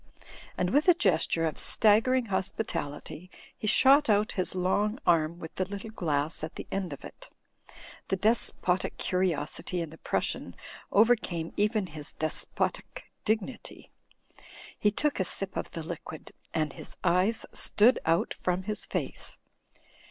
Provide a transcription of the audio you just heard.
And with a gesture of staggering hospitality, he shot out his long arm with the little glass at the end of it. The despotic curiosity in the Prussian overcantie even his despotic dignity. He took a sip of the liquid, and his eyes stood out from his face.